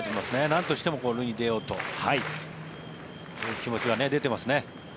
なんとか塁に出ようとそういう気持ちが出てますね。